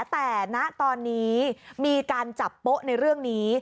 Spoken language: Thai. แต่ณตอนนี้มีการจับโป๊ะในเรื่องนี้